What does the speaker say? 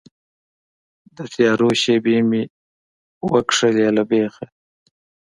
د تیارو شیبې مې وکښلې له بیخه